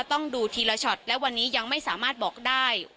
ต้องดูทีละช็อตและวันนี้ยังไม่สามารถบอกได้